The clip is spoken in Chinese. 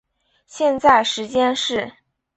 现在时间是。